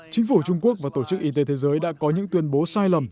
chính phủ trung quốc và tổ chức y tế thế giới đã có những tuyên bố sai lầm